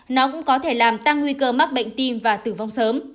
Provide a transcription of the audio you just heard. nó cũng có thể làm tăng nguy cơ mắc bệnh tim và tử vong sớm